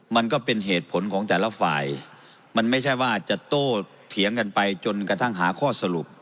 มันก็เป็นเหตุผลของแต่ละฝ่ายมันไม่ใช่ว่าจะโต้เถียงกันไปจนกระทั่งหาข้อสรุป